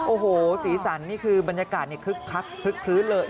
โอ้โหสีสันนี่คือบรรยากาศคลึกเลย